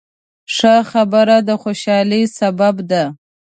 ښه خبره د خوشحالۍ سبب ده.